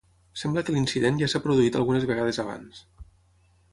Sembla que l'incident ja s'ha produït algunes vegades abans.